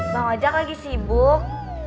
bang ojak lagi sibuk